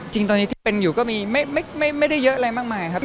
จริงตอนนี้ที่เป็นอยู่ก็มีไม่ได้เยอะอะไรมากมายครับ